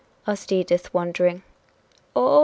asked Edith, wondering. "Oh!